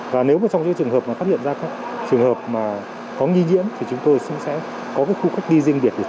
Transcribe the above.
và nếu trong trường hợp phát hiện ra trường hợp có nghi nhiễm thì chúng tôi sẽ có khu cách ly riêng biệt